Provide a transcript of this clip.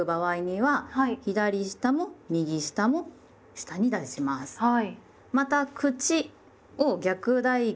はい。